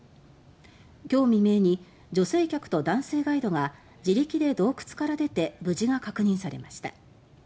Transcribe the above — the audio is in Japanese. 今日、未明に女性客と男性ガイドが自力で洞窟から出て無事が確認されました。